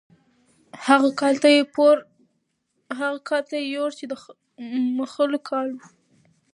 هغه کال ته یې یوړ چې د ملخو کال و.